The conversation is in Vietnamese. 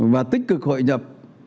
và tích cực hội nhập